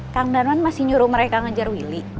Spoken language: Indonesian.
kang danwan masih nyuruh mereka ngejar willy